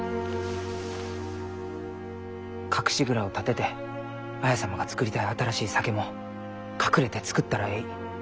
隠し蔵を建てて綾様が造りたい新しい酒も隠れて造ったらえい。